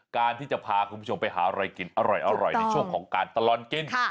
การที่จะพาคุณผู้ชมไปหาอะไรกินอร่อยในช่วงของการตลอดกิน